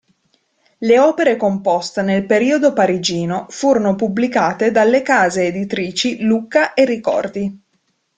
Le opere composte nel periodo parigino furono pubblicate dalle case editrici Lucca e Ricordi.